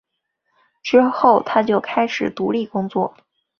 以后他就开始独立工作。